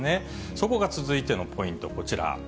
そこが続いてのポイント、こちら。